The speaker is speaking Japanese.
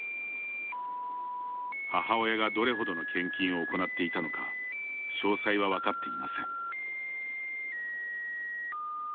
母親がどれほどの献金を行っていたのか詳細は分かっていません。